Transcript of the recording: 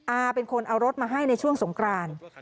อาเป็นคนเอารถมาให้ในช่วงสงกราน